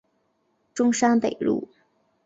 中山北路